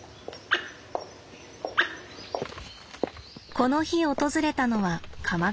この日訪れたのは鎌倉。